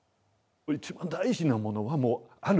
一番大事なものはもうある。